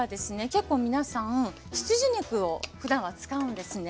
結構皆さん羊肉をふだんは使うんですね。